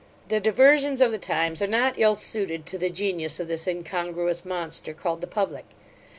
The diversions of the times are not ill suited to the genius of this incongruous monster, called the public.